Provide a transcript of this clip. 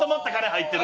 入ってる！